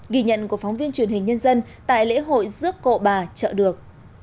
ghi nhận của phóng viên truyền hình nhân dân tại lễ hội dước cộ bà trợ được